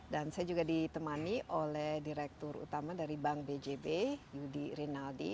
dan saya juga ditemani oleh direktur utama dari bank bjb yudi rinaldi